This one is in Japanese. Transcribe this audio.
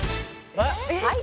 「はい。